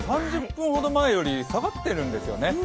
３０分ほど前より下がっているんですよね。